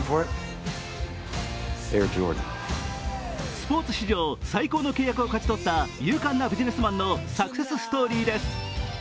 スポーツ史上最高の契約を勝ち取った勇敢なビジネスマンのサクセスストーリーです。